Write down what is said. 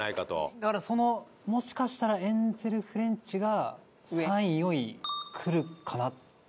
だからそのもしかしたらエンゼルフレンチが３位４位くるかな。